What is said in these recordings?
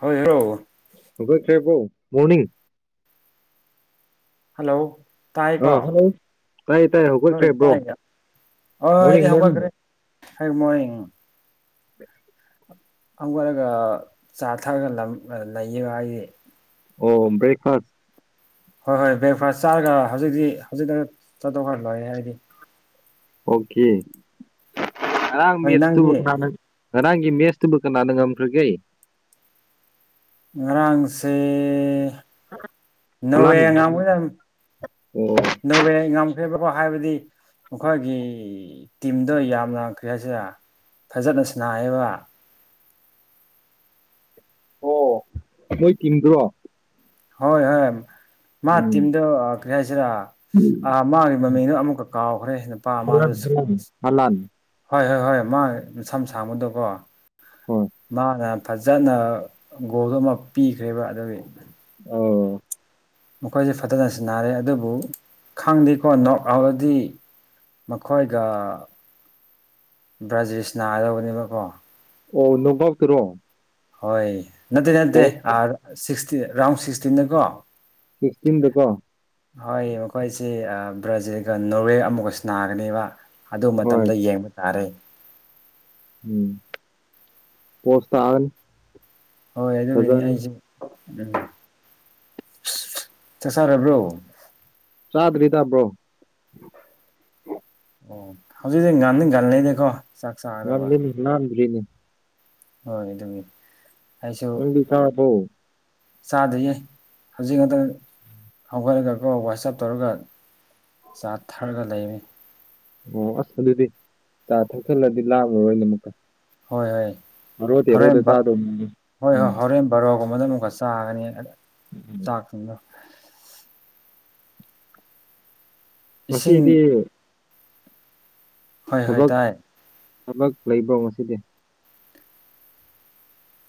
ꯍ ꯍꯂꯣ ꯑꯣꯦꯄꯣ morning hello ꯇꯥꯏ ꯀꯣ ꯑꯥ ꯍꯜꯂꯣ ꯇꯥꯏꯌꯦ ꯇꯥꯏꯌꯦ ꯍꯣꯏ ꯍꯧꯒꯠꯈ꯭ꯔꯦ ꯕ꯭ꯔꯣ ꯇꯥꯏ ꯃꯣꯔꯅꯤꯡ ꯑꯣꯗꯤ ꯃꯣꯔꯅꯤꯡ ꯍ꯭ꯔꯦ ꯃꯣꯔꯅꯤꯡ ꯑꯃꯒꯠꯂꯒ ꯆꯥ ꯊꯛꯑꯒ ꯂꯩꯌꯦꯕ ꯍꯥꯏꯗꯤ ꯑꯣ ꯕ꯭ꯔꯦꯛꯐꯥꯁ ꯍꯣꯏ ꯍꯣꯏ ꯕ꯭ꯔꯦꯛꯐꯥꯁ ꯆꯥꯔꯒ ꯍꯧꯖꯤꯛꯇꯤ ꯍꯧꯖꯤꯛꯇ ꯆꯥꯠꯇꯣꯛꯈ꯭ꯔ ꯂꯣꯏꯔꯦ ꯍꯥꯏꯗꯤ ꯑꯣꯀꯦ ꯑꯔꯥꯡ ꯍꯣꯏ ꯃꯦꯆꯇꯕꯨ ꯅꯪꯗꯤ ꯈꯔꯥꯡ ꯏꯃꯦꯦꯁꯇꯕꯨ ꯀꯅꯥꯅ ꯃꯈ꯭ꯔꯒꯦ ꯉꯔꯥꯡꯁꯦ ꯅꯣꯔꯋꯦ ꯍꯂꯥꯟ ꯑꯉꯥꯡꯝ ꯌꯥꯝ ꯑꯣ ꯅꯣꯔꯋꯦꯝ ꯐꯦꯕꯀꯣ ꯍꯥꯏꯕꯗꯤ ꯑꯩꯈꯣꯏꯒꯤ ꯇꯤꯝꯗ ꯌꯥꯝꯅ ꯀ꯭ꯔꯤꯁꯤꯗ ꯐꯖꯅ ꯁꯅꯥꯕ ꯑꯣ ꯅꯣꯏ ꯇꯤꯝꯗ꯭ꯔꯣ ꯍꯣꯏ ꯍꯣꯏ ꯃꯥ ꯇꯝꯗ ꯁꯤꯅ ꯃꯥꯒꯤ ꯃꯃꯤꯅ ꯑꯃꯨꯛꯀ ꯀꯥꯎꯈ꯭ꯔꯦ ꯁꯤ ꯅꯨꯄꯥ ꯑꯃꯗꯨ ꯍꯂꯥꯟ ꯍꯂꯥꯟ ꯍꯣꯏ ꯍꯣꯏ ꯍꯣꯏ ꯃꯥ ꯁꯝ ꯁꯥꯡꯕꯗꯣꯀꯣ ꯍꯣꯏ ꯃꯥꯅ ꯐꯖꯅ ꯒꯣꯜꯗ ꯑꯃ ꯄꯤꯈ꯭ꯔꯦꯕ ꯑꯗꯨꯒꯤ ꯑꯣ ꯃꯈꯣꯏꯁꯦ ꯐꯖꯅ ꯁꯤꯟꯅꯔꯦ ꯑꯗꯨꯕꯨ ꯈꯪꯗꯦꯀꯣ ꯅꯣꯛ ꯑꯥꯎꯂꯗꯤ ꯃꯈꯣꯏꯒ ꯕ꯭ꯔꯥꯖꯤꯁꯅꯥꯗꯧꯕꯅꯦꯕꯀꯣ ꯑꯣ ꯅꯣꯡꯐꯥꯎꯛꯇꯔꯣ ꯍꯣꯏ ꯅꯠꯇꯦ ꯅꯠꯇꯦ ꯁꯤꯁꯇ ꯔꯥꯎꯟ ꯁꯤꯛꯁꯇꯤꯟꯟꯅꯀꯣ ꯁꯤꯛꯁꯇꯤꯟꯗꯀꯣ ꯍꯣꯏ ꯃꯈꯣꯏꯁꯤꯦ ꯕ꯭ꯔꯖꯤꯜꯒ ꯅꯋꯦ ꯑꯃꯒꯁꯨ ꯅꯥꯒꯅꯦꯕ ꯑꯗꯨ ꯍꯣꯏ ꯃꯇꯝꯗ ꯌꯦꯡꯕ ꯇꯥꯔꯦ ꯎꯝ ꯄꯣꯁꯇꯕꯦꯟ ꯍꯣꯏ ꯑꯗꯨꯒꯤꯅꯤ ꯑꯩꯁꯨ ꯎꯝ ꯆꯁꯔꯦꯕ꯭ꯔꯣ ꯌꯥꯗꯔꯤꯗꯕ꯭ꯔꯣ ꯑꯣ ꯍꯧꯖꯤꯛꯗꯤ ꯉꯥꯟꯅ ꯥꯟꯅꯅꯦꯦꯀꯣ ꯉ ꯏꯜ ꯅꯔꯤ ꯏ ꯍꯣꯏ ꯑꯗꯨꯃꯤ ꯪꯗꯤ ꯁꯥꯠ ꯍ ꯆꯥꯗꯌꯦ ꯍꯧꯖꯤꯛ ꯉꯛꯇꯪ ꯍꯧꯒꯠꯂꯒꯀꯣ ꯋꯥꯆꯞ ꯇꯧꯔꯒ ꯆꯥ ꯊꯔꯒ ꯂꯩꯃꯤ ꯑꯣ ꯑꯁ ꯑꯗꯨꯗꯤ ꯆꯥ ꯊꯛꯆꯜꯂꯗꯤ ꯂꯥꯛꯂꯔꯣꯏꯅ ꯑꯃꯨꯛꯀ ꯍꯣꯏ ꯍꯣꯏ ꯕꯥꯔꯣ ꯍꯣꯔꯦꯟ ꯇꯦꯔꯣꯗ ꯆꯥꯗꯧꯅꯤ ꯍꯣꯏ ꯍꯣꯏ ꯎꯝ ꯍꯣꯔꯦꯟ ꯕꯥꯔꯣꯒ ꯗ ꯑꯃꯨꯛꯀ ꯆꯥꯒꯅꯤ ꯎꯝ ꯆꯥꯛꯇꯗꯣ ꯉꯁꯤꯗꯤ ꯏꯁꯤꯡ ꯍꯣꯏ ꯍꯣꯏ ꯊꯕꯛ ꯇꯥꯏ ꯊꯕꯛ ꯂꯩꯕꯧ ꯉꯁꯤꯗꯤ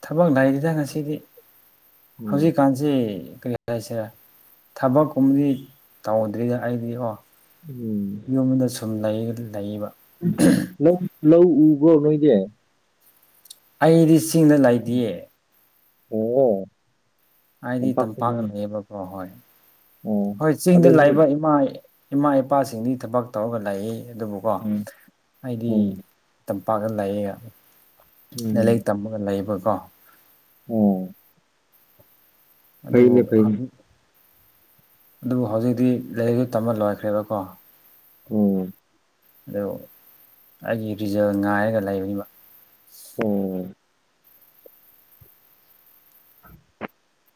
ꯊꯕꯛ ꯂꯏꯁꯤꯗ ꯉꯁꯤꯗꯤ ꯎꯝ ꯍꯧꯖꯤꯛꯀꯥꯟꯁꯤ ꯁꯔꯦ ꯊꯕꯛꯀꯨꯝꯕꯗꯤ ꯇꯧꯗ꯭ꯔꯤꯗ ꯑꯩꯗꯤ ꯑꯣ ꯎꯝ ꯁꯨꯝ ꯂꯩꯕ ꯂꯧ ꯂꯧ ꯎꯕ꯭ꯔꯣ ꯅꯣꯏꯗꯤ ꯑꯩꯗꯤ ꯆꯤꯡꯗ ꯂꯩꯇꯌꯦ ꯑꯣ ꯍꯥꯏꯗꯤ ꯇꯝꯄꯥꯛ ꯂꯩꯌꯦꯕꯀꯣ ꯍꯣꯏ ꯑꯣ ꯍꯣꯏ ꯆꯤꯡꯗ ꯑꯗꯨ ꯅꯣꯏ ꯂꯥꯛꯏꯕ ꯏꯃꯥ ꯏꯃꯥ ꯏꯄꯥꯁꯤꯡꯗꯤ ꯊꯕꯛ ꯇꯧꯔꯒ ꯂꯩ ꯑꯗꯨꯕꯨꯀꯣ ꯎꯝ ꯍꯥꯏꯗꯤ ꯎꯝ ꯇꯝꯄꯥꯛꯇ ꯂꯩꯌꯦ ꯂꯥꯏꯔꯤꯛ ꯎꯝ ꯇꯝꯃꯒ ꯂꯩꯕꯀꯣ ꯑꯣ ꯑꯗꯨꯕꯨ ꯐꯩꯅꯦ ꯐꯩꯅꯦ ꯍꯧꯖꯤꯛ ꯑꯗꯨꯕꯨ ꯍꯧꯖꯤꯛꯇꯤ ꯂꯥꯏꯔꯤꯛꯁꯨ ꯇꯝꯕ ꯂꯣꯏꯈ꯭ꯔꯦꯕꯀꯣ ꯑꯣ ꯑꯗꯨ ꯑꯩꯒꯤ ꯔꯤꯖꯜ ꯉꯥꯏꯔꯒ ꯂꯩꯕꯅꯤꯕ ꯑꯣꯝ [inaudible]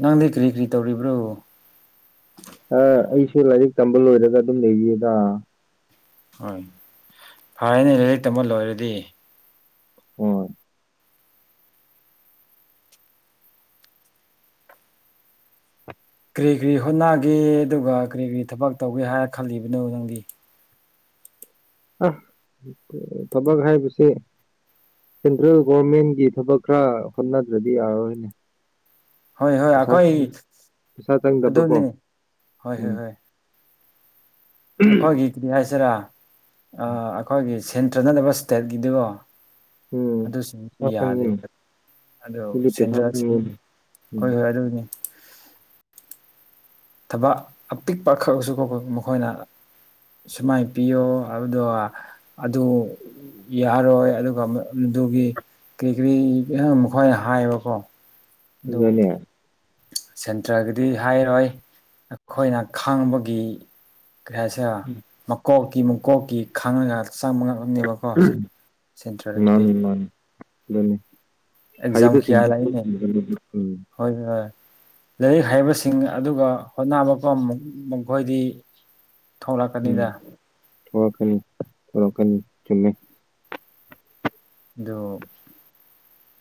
ꯅꯪꯗꯤ ꯀꯔꯤ ꯀꯔꯤ ꯇꯧꯔꯤꯕ꯭ꯔꯣ ꯑ ꯑꯩꯁꯨ ꯂꯥꯏꯔꯤꯛ ꯇꯝꯕ ꯂꯣꯏꯔꯒ ꯑꯗꯨꯝ ꯂꯩꯔꯤꯗ ꯍꯣꯏ ꯐꯔꯦꯅꯦ ꯂꯥꯏꯔꯤꯛ ꯇꯝꯃ ꯂꯣꯏꯔꯗꯤ ꯍꯣꯏ ꯀꯔꯤ ꯀꯔꯤ ꯍꯣꯠꯅꯒꯦ ꯑꯗꯨꯒ ꯀꯔꯤ ꯀꯔꯤ ꯊꯕꯛ ꯇꯧꯒꯦ ꯍꯥꯏꯔ ꯈꯜꯂꯤꯕꯅꯣ ꯅꯪꯗꯤ ꯑꯁ ꯊꯕꯛ ꯍꯥꯏꯕꯁꯦ ꯁꯦꯟꯇ꯭ꯔꯦꯜ ꯒꯣꯔꯚꯃꯦꯟꯒꯤ ꯊꯕꯛ ꯈꯔ ꯍꯣꯠꯅꯗ꯭ꯔꯗꯤ ꯌꯥꯔꯔꯣꯏꯅꯦ ꯍꯣꯏ ꯍꯣꯏ ꯄꯩꯁꯥ ꯑꯩꯈꯣꯏ ꯄꯩꯁꯥ ꯆꯪꯗꯕꯀꯣ ꯑꯗꯨꯅꯤ ꯍꯣꯏ ꯍꯣꯏ ꯎꯝ ꯍꯣꯏ ꯑꯩꯈꯣꯏꯒꯤ ꯀꯔꯤ ꯍꯥꯏꯁꯤꯔꯥ ꯑꯩꯈꯣꯏꯒꯤ ꯁꯦꯟꯇ꯭ꯔ ꯅꯠꯇꯕ ꯏꯁꯇꯦꯠꯀꯤꯗꯨꯒꯣ ꯎꯝ ꯑꯗꯨꯁꯤꯡꯁꯨ ꯄꯩꯁꯥ ꯆꯪꯉꯤꯅꯦ ꯌꯥꯗꯦꯕ ꯑꯣ ꯁꯤꯗꯤ ꯄꯩꯁꯥ ꯁꯦꯟꯗ꯭ꯔꯁꯤ ꯆꯪꯉꯤꯅꯦ ꯍꯣꯏ ꯎꯝ ꯍꯣꯏ ꯑꯗꯨꯅꯤ ꯊꯕꯛ ꯑꯄꯤꯛꯄ ꯈꯛꯁꯨ ꯃꯈꯣꯏꯅ ꯁꯨꯃꯥꯏꯅ ꯄꯤꯌꯣ ꯑꯗꯣ ꯑꯗꯨ ꯌꯥꯔꯣꯏ ꯑꯗꯨꯒ ꯑꯗꯨꯒꯤ ꯀꯔꯤ ꯀꯔꯤ ꯃꯈꯣꯏꯅ ꯍꯥꯏꯌꯦꯕꯀꯣ ꯑꯗꯨ ꯑꯗꯨꯅ ꯁꯦꯟꯇ꯭ꯔꯒꯤꯗꯤ ꯍꯥꯏꯔꯣꯏ ꯑꯩꯈꯣꯏꯅ ꯈꯥꯡꯕꯒꯤ ꯀꯔꯤ ꯍꯥꯏꯁꯤꯔ ꯃꯀꯣꯛꯀꯤ ꯃꯀꯣꯛꯀꯤ ꯈꯥꯡꯉꯒ ꯆꯪ ꯐꯅꯦꯕꯀꯣ ꯁꯦꯟꯇ꯭ꯔꯒꯤꯗꯤ ꯃꯥꯅꯤ ꯃꯥꯅꯤ ꯑꯗꯨꯅꯤ ꯑꯦꯛꯖꯥꯝ ꯍꯥꯏꯗ ꯀꯌꯥ ꯂꯥꯛꯏꯅꯦ ꯁꯤꯁꯤꯡꯒꯥꯄꯨꯔ ꯎꯝ [unintelligible] ꯍꯣꯏ ꯍꯣꯏ ꯂꯥꯏꯔꯤꯛ ꯍꯩꯕꯁꯤꯡ ꯑꯗꯨꯒ ꯍꯣꯠꯅꯕ ꯃꯈꯣꯏꯗꯤ ꯎꯝ ꯊꯣꯛꯂꯛꯀꯅꯤꯗ ꯊꯀꯅꯤ ꯊꯀꯅꯤ ꯆꯨꯝꯃꯦ ꯑꯗꯨ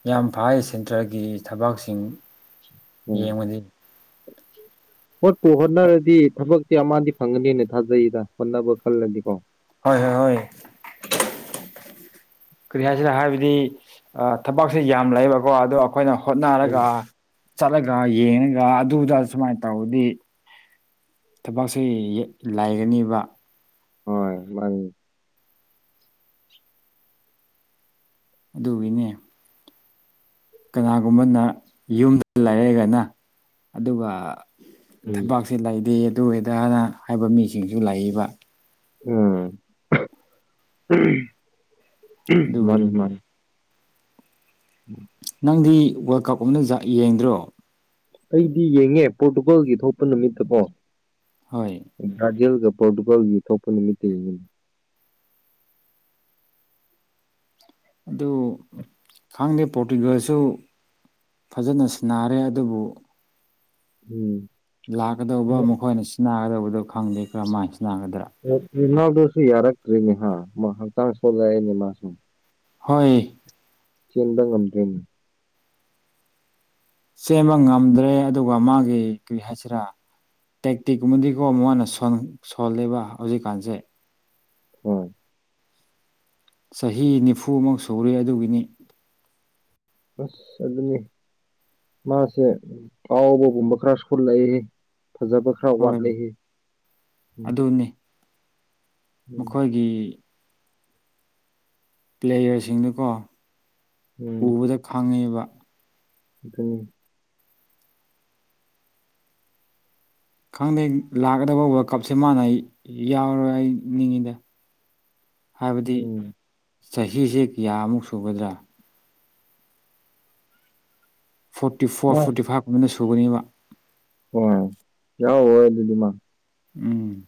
ꯌꯥꯝ ꯐꯥꯏ ꯁꯦꯟꯇ꯭ꯔꯒꯤ ꯊꯕꯛꯁꯤꯡ ꯎꯝ ꯌꯦꯡꯕꯗꯤ ꯍꯣꯠꯄꯨ ꯍꯣꯠꯅꯔꯗꯤ ꯊꯕꯛ ꯁꯤ ꯑꯃꯗꯤ ꯐꯪꯒꯅꯤꯅꯦ ꯊꯥꯖꯩꯗ ꯍꯣꯠꯅꯕ ꯈꯜꯂꯗꯤꯀꯣ ꯍꯣꯏ ꯍꯣꯏ ꯍꯣꯏ ꯀꯔꯤ ꯍꯥꯏꯁꯤꯅ ꯍꯥꯏꯕꯗꯤ ꯊꯕꯛꯁꯦ ꯌꯥꯝ ꯂꯩꯌꯦꯕꯀꯣ ꯑꯗꯣ ꯑꯩꯈꯣꯏꯅ ꯍꯣꯠꯅꯔꯒ ꯆꯠꯂꯒ ꯌꯦꯡꯉꯒ ꯑꯗꯨꯗ ꯁꯨꯃꯥꯏꯅ ꯇꯧꯔꯗꯤ ꯊꯕꯛꯁꯤ ꯂꯥꯏꯒꯅꯦꯕ ꯍꯣꯏ ꯃꯥ ꯑꯗꯨꯒꯤꯅꯦ ꯀꯅꯥꯒꯨꯝꯕꯅ ꯌꯨꯝꯗ ꯂꯩꯔꯒꯅ ꯑꯗꯨꯒ ꯎꯝ ꯊꯕꯛꯁꯦ ꯂꯩꯇꯦ ꯑꯗꯨ ꯑꯣꯏ ꯑꯗꯥꯅ ꯍꯥꯏꯕ ꯃꯤꯁꯤꯡꯁꯨ ꯂꯩꯌꯦꯅ ꯎꯝ ꯃꯥꯅꯤ ꯑꯗꯨꯒꯤꯅꯤ ꯃꯥꯅꯤ ꯎꯝ ꯅꯪꯗꯤ ꯋꯥꯔꯜ ꯀꯞ ꯌꯦꯡꯗ꯭ꯔꯣ ꯑꯩꯗꯤ ꯌꯦꯡꯉꯦ ꯄꯣꯔꯇꯨꯒꯥꯜꯒꯤ ꯊꯣꯛꯄ ꯅꯨꯃꯤꯠꯇꯀꯣ ꯍꯣꯏ ꯕ꯭ꯔꯥꯖꯤꯜꯒ ꯄꯣꯔꯇꯨꯒꯥꯜꯒꯤ ꯊꯣꯛꯄ ꯅꯨꯃꯤꯠꯇ ꯌꯦꯡꯉꯤꯅꯤ ꯑꯗꯨ ꯈꯪꯗꯦ ꯄꯣꯔꯇꯤꯒꯜꯁꯨ ꯐꯖꯅ ꯁꯥꯟꯅꯔꯦ ꯑꯗꯨꯕꯨ ꯎꯝ ꯂꯥꯛꯀꯗꯧꯕ ꯃꯈꯣꯏꯅ ꯁꯤꯖꯤꯟꯅꯒꯗꯧꯕꯗꯣ ꯈꯪꯗꯦ ꯀꯔꯝꯍꯥꯏꯅ ꯁꯥꯟꯅꯒꯗ꯭ꯔꯥ ꯔꯣꯅꯥꯜꯗꯣꯁꯤ ꯌꯥꯔꯛ ꯀ꯭ꯔꯤꯅꯤ ꯍꯥꯥ ꯍꯛꯆꯥꯡ ꯁꯣꯜꯅꯤ ꯃꯥꯁꯨꯝ ꯍꯣꯏ ꯆꯦꯟꯕ ꯉꯝꯗ꯭ꯔꯤꯅꯦ ꯆꯦꯟꯕ ꯉꯝꯗ꯭ꯔꯦ ꯑꯗꯨꯒ ꯃꯥꯒꯤ ꯀꯔꯤ ꯍꯥꯏꯁꯤꯔꯥ ꯇꯦꯛꯇꯤꯛꯀꯨꯝꯕꯗꯤꯀꯣ ꯃꯅ ꯁꯣꯜꯂꯦꯕ ꯍꯧꯖꯤꯛꯀꯥꯟꯁꯦ ꯍꯣꯏ ꯆꯍꯤ ꯅꯤꯐꯨꯃꯛ ꯁꯨꯔꯦ ꯑꯗꯨꯒꯤꯅꯤ ꯑꯁ ꯑꯗꯨ ꯑꯗꯨꯅꯦ ꯃꯥꯁꯦ ꯑꯥꯎꯕꯒꯨꯝꯕ ꯈꯔ ꯁꯨꯜꯂꯛꯏ ꯐꯖꯕ ꯈꯔ ꯋꯥꯠꯂꯤ ꯍꯣꯏ ꯎꯝ ꯑꯗꯨꯅꯤ ꯎꯝ ꯃꯈꯣꯏꯒꯤ ꯄ꯭ꯂꯦꯌꯔꯁꯤꯡꯗꯨꯀꯣ ꯎꯕꯗ ꯈꯪꯉꯦꯕ ꯑꯗꯨ ꯈꯪꯗꯦ ꯂꯥꯛꯀꯗꯕ ꯋꯥꯔꯜ ꯀꯞꯁꯦ ꯃꯥꯅ ꯌꯥꯎꯔꯣꯏ ꯍꯥꯏ ꯅꯤꯡꯉꯤꯗ ꯍꯥꯏꯕꯗꯤ ꯎꯝ ꯆꯍꯤꯁꯦ ꯀꯌꯥꯃꯨꯛ ꯁꯨꯒꯗ꯭ꯔꯥ ꯐꯣꯔꯇꯤ ꯐꯣꯔ ꯐꯣꯔꯇꯤ ꯐꯥꯏꯚꯀꯨꯝꯃꯤꯅ ꯁꯨꯒꯅꯦꯕ ꯑꯣ ꯌꯥꯎ ꯍꯗꯤꯃ ꯎꯝ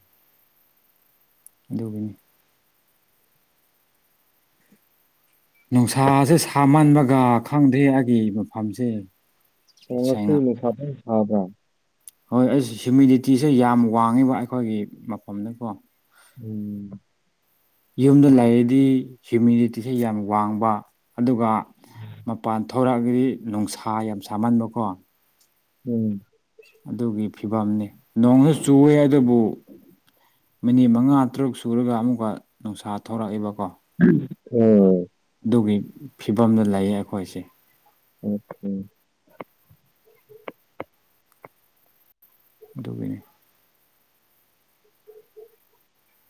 ꯗꯣꯛꯒꯅꯤ ꯅꯨꯡꯁꯥꯁꯦ ꯁꯥꯃꯟꯕꯒ ꯈꯪꯗ꯭ꯦ ꯑꯩꯒꯤ ꯃꯐꯝꯁꯦ ꯁꯦꯡꯅ ꯀꯁꯤꯁꯗ ꯁꯥꯕ꯭ꯔꯥ ꯍꯣꯏ ꯑꯁ ꯍ꯭ꯨꯃꯤꯗꯤꯇꯤꯁꯦ ꯌꯥꯝ ꯋꯥꯡꯉꯤꯕ ꯑꯩꯈꯣꯏꯒꯤ ꯃꯐꯝꯗꯀꯣ ꯎꯝ ꯌꯨꯝꯗ ꯂꯩꯔꯤꯗꯤ ꯍꯤꯌꯨꯃꯤꯗꯤꯇꯤꯁꯦ ꯌꯥꯝ ꯋꯥꯡꯕ ꯑꯗꯨꯒ ꯃꯄꯥꯟ ꯊꯣꯔꯛꯑꯒꯗꯤ ꯅꯨꯡꯁꯥ ꯌꯥꯝ ꯁꯥꯃꯟꯕꯀꯣ ꯎꯝ ꯑꯗꯨꯒꯤ ꯐꯤꯕꯝꯅꯤ ꯅꯣꯡꯁꯨ ꯆꯨꯏꯦ ꯑꯗꯨꯕꯨ ꯃꯤꯅꯤꯠ ꯃꯉꯥ ꯇꯔꯨꯛ ꯁꯨꯔꯒ ꯑꯃꯨꯛꯀ ꯅꯨꯡꯁꯥ ꯊꯧꯔꯛꯏꯦꯕꯀꯣ ꯑꯣꯝ ꯑꯗꯨꯒꯤ ꯐꯤꯕꯝꯗ ꯂꯩꯌꯦ ꯑꯩꯈꯣꯏꯁꯦ ꯑꯣꯝ ꯑꯗꯨꯗꯨꯒꯤꯅꯤ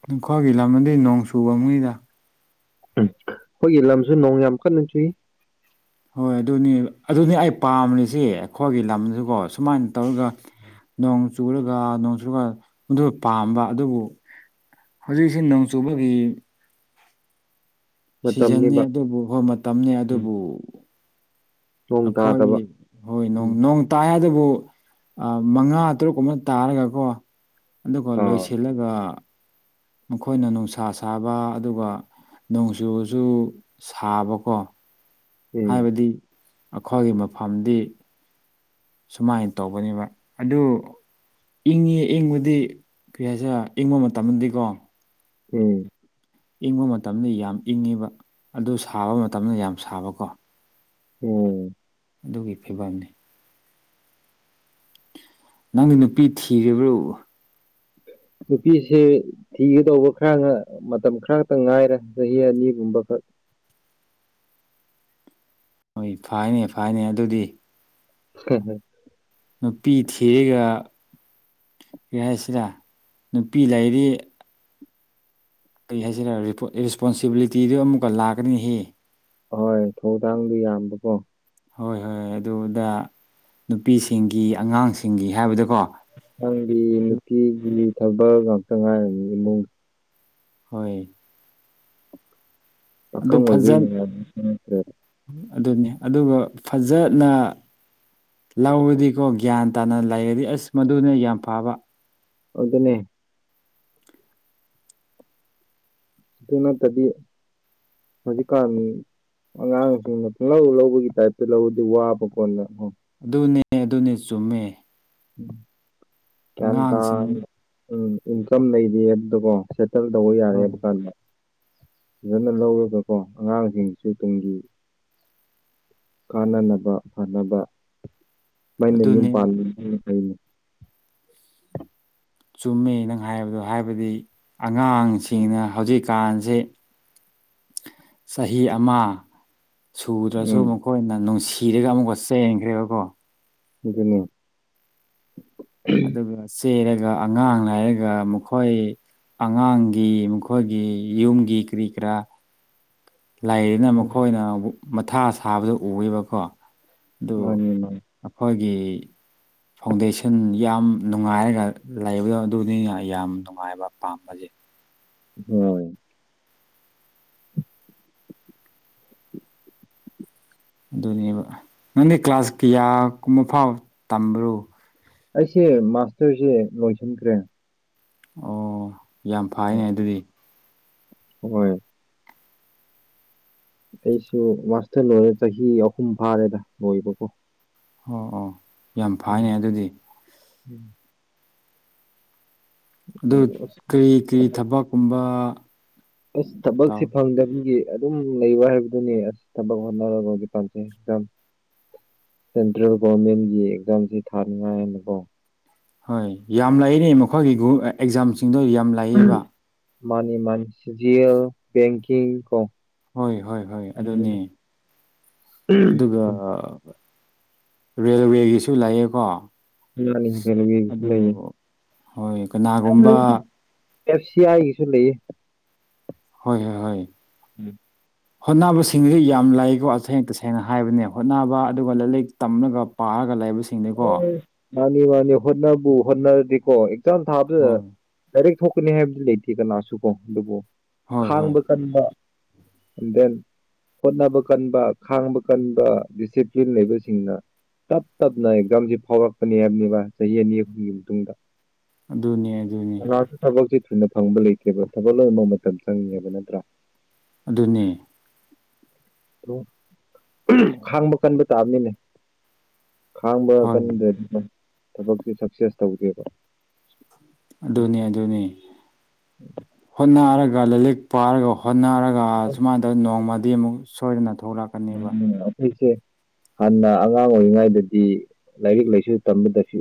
ꯅꯈꯣꯏꯒꯤ ꯂꯝ ꯑꯩ ꯅꯣꯡ ꯆꯨꯕ ꯃꯤꯗ ꯎꯝ ꯑꯩꯈꯣꯏꯒꯤ ꯂꯝꯁꯨ ꯅꯣꯡ ꯌꯥꯝ ꯀꯟꯅ ꯆꯨꯏ ꯍꯣꯏ ꯑꯗꯨꯅꯤ ꯑꯗꯨꯅꯤ ꯑꯩ ꯄꯥꯝꯔꯤꯁꯤ ꯑꯩꯈꯣꯏꯒꯤ ꯂꯝꯁꯤꯀꯣ ꯁꯨꯃꯥꯏꯅ ꯇꯧꯔꯒ ꯅꯣꯡ ꯆꯨꯔꯒ ꯅꯣꯡ ꯆꯨꯔꯒ ꯃ ꯄꯥꯝꯕ ꯑꯗꯨꯕꯨ ꯍꯧꯖꯤꯛꯁꯤ ꯅꯣꯡ ꯆꯨꯕꯒꯤ ꯁꯤꯖꯟꯅꯤ ꯃꯇꯝꯅꯤꯕ ꯑꯗꯨꯕꯨ ꯍꯣꯏ ꯃꯇꯝꯅꯤꯅꯦ ꯎꯝ ꯑꯗꯨꯕꯨ ꯅꯣꯡ ꯇꯥꯗꯕ ꯑꯩꯈꯣꯏ ꯍꯣꯏ ꯎꯝ ꯅꯣꯡ ꯇꯥꯏ ꯑꯗꯨꯕꯨ ꯃꯉꯥ ꯇꯔꯨꯛꯀꯨꯝꯕ ꯇꯥꯔꯒꯀꯣ ꯑꯗꯨꯒ ꯑꯥ ꯂꯣꯏꯁꯤꯜꯂꯒ ꯃꯈꯣꯏꯅ ꯅꯨꯡꯁꯥ ꯁꯥꯕ ꯑꯗꯨꯒ ꯅꯣꯡꯆꯨꯕꯁꯨ ꯁꯥꯕꯀꯣ ꯎꯝ ꯍꯥꯏꯕꯗꯤ ꯑꯩꯈꯣꯏꯒꯤ ꯃꯐꯝꯗꯤ ꯁꯨꯃꯥꯏꯅ ꯇꯧꯕꯅꯦꯕ ꯑꯗꯨ ꯏꯪꯉꯦ ꯏꯪꯕꯗꯤ ꯀꯩ ꯍꯥꯏꯁꯦ ꯏꯪꯕ ꯃꯇꯝꯗꯗꯤꯀꯣ ꯎꯝ ꯏꯪꯕ ꯃꯇꯝꯗ ꯌꯥꯝ ꯏꯪꯉꯤꯕ ꯑꯗꯨ ꯁꯥꯕ ꯃꯇꯝꯗ ꯌꯥꯝ ꯁꯥꯕꯀꯣ ꯎꯝ ꯑꯗꯨꯒꯤ ꯐꯤꯕꯝꯅꯤ ꯅꯪꯗꯤ ꯅꯨꯄꯤ ꯊꯤ꯭ꯔꯣ ꯅꯨꯄꯤꯁꯦ ꯊꯤꯒꯗꯧꯕ ꯈꯔ ꯃꯇꯝ ꯈꯔꯇ ꯉꯥꯏꯔꯦ ꯆꯍꯤ ꯑꯅꯤꯒꯨꯝꯕꯈꯛ [unintelligible] ꯍꯣꯏ ꯐꯥꯏꯅꯦ ꯐꯥꯏꯅꯦ ꯑꯗꯨꯗꯤ ꯍ ꯍ ꯅꯨꯄꯤ ꯊꯤꯔꯒ ꯀꯔꯤ ꯍꯥꯏꯁꯤꯔ ꯅꯨꯄꯤ ꯂꯩꯔꯤ ꯀꯔꯤ ꯍꯥꯏꯁꯤꯔ ꯔꯦꯁꯄꯣꯟꯁꯤꯕꯤꯂꯤꯇꯤꯗꯨ ꯑꯃꯨꯛꯀ ꯂꯥꯛꯀꯅꯤꯍꯦ ꯍꯣꯏ ꯊꯧꯗꯥꯡꯗꯤ ꯌꯥꯝꯕꯀꯣ ꯍꯣꯏ ꯍꯣꯏ ꯑꯗꯨꯗ ꯅꯨꯄꯤꯁꯤꯡꯒꯤ ꯑꯉꯥꯡꯁꯤꯡꯒꯤ ꯍꯥꯏꯕꯗ ꯅꯪꯗꯤ ꯅꯨꯄꯤ ꯨꯂꯤ ꯊꯕꯛ ꯉꯥꯛꯇ ꯉꯥꯏꯔꯅꯤ ꯏꯃꯨꯡ ꯍꯣꯏ ꯑꯗꯨ ꯄꯀꯝ ꯐꯖ ꯑꯣꯏꯕ ꯑꯗꯨꯅꯤ ꯑꯗꯨꯒ ꯐꯖꯅ ꯂꯧꯔꯗꯤꯀꯣ ꯒ꯭ꯌꯥꯟ ꯇꯥꯅꯅ ꯂꯩꯔꯗꯤ ꯑꯁ ꯃꯗꯨꯅꯦ ꯌꯥꯝ ꯐꯕ ꯑꯗꯨ ꯑꯗꯨꯅꯦ ꯏꯗꯨꯅ ꯇꯗꯤ ꯃꯖꯤꯀꯥꯔꯃꯤ ꯑꯉꯥꯡꯁꯤꯡ ꯂꯧ ꯂꯧꯕꯒꯤ ꯇꯥꯏꯞꯇ ꯂꯧꯧꯕꯗꯤ ꯋꯥꯕ ꯀꯣꯟꯗ ꯑꯗꯨꯅꯦ ꯑꯗꯨꯅꯦ ꯆꯨꯝꯃꯦ ꯒ꯭ꯌꯥꯟ ꯇꯥ ꯑꯉꯥꯡꯁꯤꯡ ꯎꯝ ꯏꯟꯀꯝ ꯂꯩꯔꯤ ꯑꯗꯨꯗꯀꯣ ꯜ ꯇꯧꯕ ꯌꯥꯔꯦꯕ ꯍꯣꯏ ꯀꯥꯟꯗ ꯐꯖꯅ ꯂꯧꯔꯒꯀꯣ ꯑꯉꯥꯡꯁꯤꯡꯁꯨ ꯇꯨꯡꯒꯤ ꯀꯥꯟꯅꯅꯕ ꯐꯅꯕ ꯃꯩꯅ ꯌꯨꯝ ꯑꯗꯨꯅꯦ ꯄꯅꯩꯅ ꯆꯨꯝꯃꯤ ꯅꯪ ꯍꯥꯏꯕꯗꯣ ꯍꯥꯏꯕꯗꯤ ꯑꯉꯥꯡꯁꯤꯡꯅ ꯍꯧꯖꯤꯛꯀꯥꯟꯁꯤ ꯆꯍꯤ ꯑꯃ ꯁꯨꯗ꯭ꯔꯁꯨ ꯎꯝ ꯃꯈꯣꯏꯅ ꯅꯨꯡꯁꯤ ꯀꯤꯔꯒ ꯑꯃꯨꯛ ꯋꯥꯠꯆ ꯌꯦꯡꯈ꯭ꯔꯦꯕꯀꯣ ꯑꯗꯨꯅ ꯑꯗꯨꯒ ꯆꯦꯔꯒ ꯑꯉꯥꯡ ꯍꯥꯏꯔꯒ ꯃꯈꯣꯏ ꯑꯉꯥꯡꯒꯤ ꯃꯈꯣꯏꯒꯤ ꯌꯨꯝꯒꯤ ꯀꯔꯤ ꯀꯔꯥ ꯂꯥꯏꯔꯤꯅ ꯎꯝ ꯃꯈꯣꯏꯅ ꯃꯊꯥ ꯁꯥꯕꯗ ꯎꯕꯀꯣ ꯑꯗꯨ ꯃꯥꯅꯤ ꯃꯥꯅꯤ ꯑꯩꯈꯣꯏꯒꯤ ꯐꯥꯎꯟꯗꯦꯁꯟ ꯌꯥꯝ ꯅꯨꯡꯉꯥꯏꯔꯒ ꯂꯩꯕꯗꯣ ꯑꯗꯨꯅꯤꯅ ꯌꯥꯝ ꯅꯨꯡꯉꯥꯏꯕ ꯄꯥꯝꯕꯁꯦ ꯍꯣꯏ ꯑꯗꯨꯅꯦꯕ ꯅꯪꯗꯤ ꯀ꯭ꯂꯥꯁ ꯀꯌꯥ ꯀꯨꯝꯕ ꯐꯥꯎ ꯇꯝꯕ꯭ꯔꯣ ꯑꯩꯁꯦ ꯃꯥꯁꯇꯔꯁꯦ ꯂꯣꯏꯁꯤꯟꯈ꯭ꯔꯦ ꯑꯣ ꯌꯥꯝ ꯐꯩꯅꯦ ꯑꯗꯨꯗꯤ ꯍꯣꯏ ꯑꯩꯁꯨ ꯃꯥꯁꯇꯔ ꯂꯣꯏꯔꯦ ꯆꯍꯤ ꯑꯍꯨꯝ ꯐꯥꯔꯦꯗ ꯂꯣꯏꯕꯀꯣ ꯑꯣ ꯑꯣ ꯌꯥꯝ ꯐꯅꯦ ꯑꯗꯨꯗꯤ ꯎꯝ ꯑꯗꯨ ꯑꯁ ꯀꯔꯤ ꯀꯔꯤ ꯊꯕꯛ ꯊꯕꯛꯀꯨꯝꯕ ꯑꯁ ꯊꯕꯛꯁꯦ ꯇꯧ ꯐꯪꯗꯕꯒꯤ ꯑꯗꯨꯝ ꯂꯩꯕ ꯍꯥꯏꯕꯗꯨꯅꯤ ꯑꯁ ꯊꯕꯛ ꯍꯣꯠꯅꯔꯒꯗꯤ ꯄꯥꯝꯖꯩ ꯁꯦꯟꯇ꯭ꯔꯦꯜ ꯒꯚꯃꯦꯟꯒꯤ ꯑꯦꯛꯖꯥꯝꯁꯤ ꯊꯥꯅꯤꯉꯥꯏꯅꯀꯣ ꯍꯣꯏ ꯌꯥꯝ ꯂꯥꯛꯏꯅꯦ ꯃꯈꯣꯏꯒꯤ ꯒ꯭ꯔꯨꯞ ꯑꯦꯛꯖꯥꯝꯁꯤꯡꯗꯣ ꯌꯥꯝ ꯂꯥꯛꯏꯕ ꯃꯥꯅꯤ ꯃꯅꯤꯁꯤ ꯑꯜ ꯦꯡꯀꯤꯡ ꯀꯣ ꯍꯣꯏ ꯍꯣꯏ ꯍꯣꯏ ꯑꯗꯨꯅꯦ ꯑꯗꯨꯒ ꯔꯦꯜꯋꯦꯒꯤꯁꯨ ꯂꯩꯥꯛꯌꯦꯦꯀꯣ ꯃꯥꯅꯤ ꯄꯦꯂꯁꯨ ꯂꯩꯦ ꯍꯣꯏ ꯀꯅꯥꯒꯨꯝꯕ ꯑꯦꯐ ꯁꯤ ꯑꯥꯏꯒꯤꯁꯨ ꯂꯩꯌꯦ ꯍꯣꯏ ꯍꯣꯏ ꯍꯣꯏ ꯎꯝ ꯍꯣꯠꯅꯕꯁꯤꯡꯗꯤ ꯌꯥꯝ ꯂꯥꯏꯀꯣ ꯇꯁꯦꯡ ꯇꯁꯦꯡꯅ ꯍꯥꯏꯕꯅꯦ ꯍꯣꯠꯅꯕ ꯑꯗꯨꯒ ꯂꯥꯏꯔꯤꯛ ꯇꯝꯂꯒ ꯄꯥꯔꯒ ꯂꯩꯕꯁꯤꯡ ꯤꯡꯗꯩꯀꯣ ꯑꯁ, ꯃꯥꯅꯤ ꯃꯥꯅꯤ ꯍꯣꯠꯕꯨ ꯍꯣꯠꯅꯔꯗꯤꯀꯣ ꯑꯦꯛꯖꯥꯝ ꯊꯥꯕꯗꯨꯗ ꯍꯣꯏ ꯂꯥꯏꯔꯤꯛ ꯊꯣꯛꯀꯅꯤ ꯍꯥꯏꯕꯗꯤ ꯂꯩꯇꯦ ꯀꯅꯥꯁꯨ ꯀꯣ ꯑꯗꯨꯕꯨ ꯍꯣꯏ ꯍꯣꯏ ꯈꯥꯡꯕ ꯀꯟꯕ ꯑꯦ ꯗꯦꯟ ꯍꯣꯠꯅꯕ ꯀꯟꯕ ꯈꯥꯡꯕ ꯀꯟꯕ ꯗꯤꯁꯤꯄ꯭ꯂꯤꯟ ꯂꯩꯕꯁꯤꯡꯅ ꯇꯞ ꯇꯞ ꯅ ꯑꯦꯛꯖꯥꯝꯁꯤ ꯐꯥꯎꯔꯛꯄꯅꯤ ꯍꯥꯏꯕꯅꯦꯕ ꯆꯍꯤ ꯑꯅꯤ ꯑꯍꯨꯝꯒꯤ ꯃꯇꯨꯡꯗ ꯑꯗꯨꯅꯦ ꯑꯗꯨꯅꯦ ꯁꯤꯅ ꯐꯪꯕ ꯂꯩꯇꯦꯕ ꯊꯕꯛ ꯂꯣꯏꯅꯃꯛ ꯃꯇꯝ ꯆꯪꯉꯦꯕ ꯅꯠꯇ꯭ꯔꯥ ꯑꯗꯨꯅꯦ ꯈꯥꯡꯕ ꯀꯟꯕ ꯇꯥꯕꯅꯤꯅꯦ ꯈꯥꯡꯕ ꯍꯣꯏ ꯀꯟꯗꯗꯤ ꯊꯕꯛꯁꯦ ꯁꯛꯁꯦꯁ ꯇꯧꯗꯦꯕ ꯑꯗꯨꯅꯤ ꯑꯗꯨꯅꯤ ꯍꯣꯠꯅꯔꯒ ꯂꯥꯏꯔꯤꯛ ꯄꯥꯔꯒ ꯍꯣꯠꯅꯔꯒ ꯁꯨꯃꯥꯏꯅ ꯅꯣꯡꯃꯗꯤ ꯑꯃꯨꯛ ꯁꯣꯏꯗꯅ ꯊꯣꯛꯂꯛꯀꯅꯦꯕ ꯑꯩꯁꯦ ꯍꯅ ꯑꯉꯥꯡ ꯑꯣꯏꯔꯤꯉꯩꯗꯗꯤ ꯂꯥꯏꯔꯤꯛ ꯂꯥꯏꯁꯨ ꯇꯝꯕꯗꯁꯨ